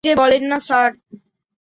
কী যে বলেন না, স্যার।